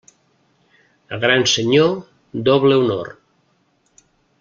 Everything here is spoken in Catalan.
A gran senyor, doble honor.